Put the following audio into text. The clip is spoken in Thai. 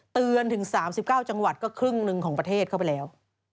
ถึง๓๙จังหวัดก็ครึ่งหนึ่งของประเทศเข้าไปแล้ว